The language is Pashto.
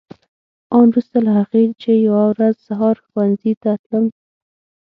آن وروسته له هغه چې یوه ورځ سهار ښوونځي ته تلم.